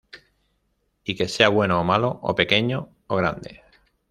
Y que sea bueno o malo o pequeño o grande.